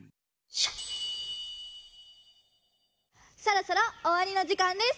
そろそろおわりのじかんです。